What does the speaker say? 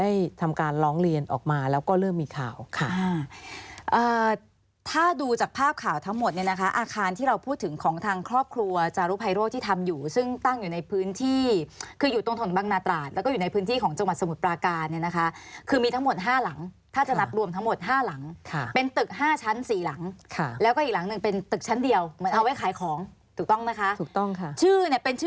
มีการได้ทำการร้องเรียนออกมาแล้วก็เริ่มมีข่าวค่ะถ้าดูจากภาพข่าวทั้งหมดเนี่ยนะคะอาคารที่เราพูดถึงของทางครอบครัวจารุภัยโรคที่ทำอยู่ซึ่งตั้งอยู่ในพื้นที่คืออยู่ตรงบางนาตราดแล้วก็อยู่ในพื้นที่ของจังหวัดสมุทรปราการเนี่ยนะคะคือมีทั้งหมด๕หลังถ้าจะรับรวมทั้งหมด๕หลังเป็นตึก๕ชั้น๔